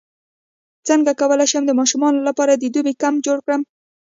څنګه کولی شم د ماشومانو لپاره د دوبي کمپ جوړ کړم